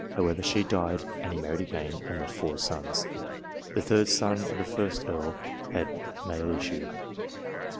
However, she died, and he married again, and left four sons. The third son of the first Earl had male issue.